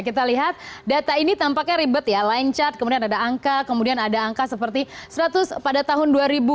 kita lihat data ini tampaknya ribet ya lancat kemudian ada angka kemudian ada angka seperti seratus pada tahun dua ribu dua puluh